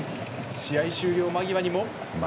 試合終了間際にも。